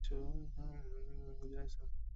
তিনি মদিনায় স্থায়ীভাবে বসতি স্থাপন করেন।